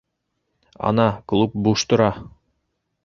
Ана, клуб буш тора.